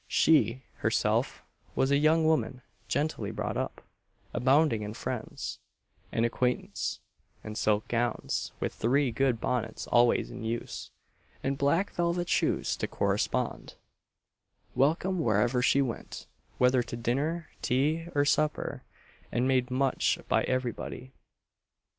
She, herself, was a young woman genteelly brought up abounding in friends, and acquaintance, and silk gowns; with three good bonnets always in use, and black velvet shoes to correspond; welcome wherever she went, whether to dinner, tea, or supper, and made much of by everybody.